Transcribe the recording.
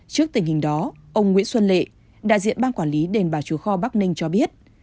trước tình hình đó ông nguyễn xuân lệ đại diện ban quản lý đền bà chúa kho bắc ninh cho biết